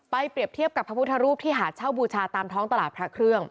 เปรียบเทียบกับพระพุทธรูปที่หาเช่าบูชาตามท้องตลาดพระเครื่อง